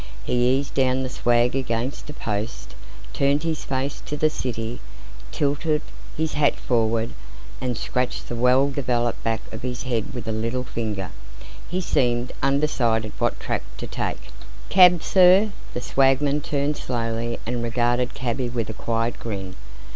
He eased down the swag against a post, turned his face to the city, tilted his hat forward, and scratched the well developed back of his head with a little finger. He seemed undecided what track to take. "Cab, Sir!" The swagman turned slowly and regarded cabby with a quiet grin.